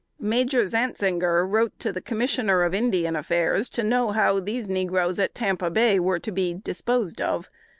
Major Zantzinger wrote the Commissioner of Indian Affairs, to know how these negroes at Tampa Bay were to be disposed of.